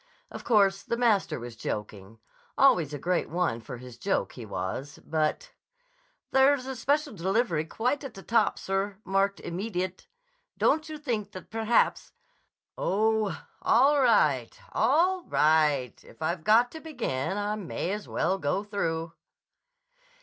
Of course the master was joking. Always a great one for his joke, he was. But— "There's a special delivery quite at the top, sir, marked 'Immediate.' Don't you think that perhaps—" "Oh, all right: all right! If I've got to begin I may as well go through."